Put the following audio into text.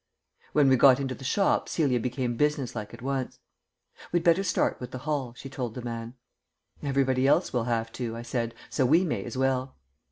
When we got into the shop Celia became businesslike at once. "We'd better start with the hall," she told the man. "Everybody else will have to," I said, "so we may as well."